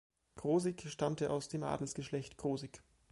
Krosigk stammte aus dem Adelsgeschlecht Krosigk.